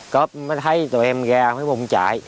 cớp mới thấy tội em ra mới vùng chạy